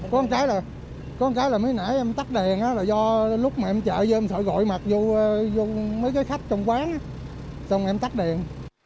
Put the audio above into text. có một cái là mấy nãy em tắt đèn là do lúc mà em chạy vô em sợ gọi mặt vô mấy cái khách trong quán xong rồi em tắt đèn